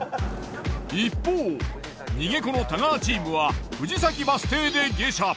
一方逃げ子の太川チームは藤崎バス停で下車。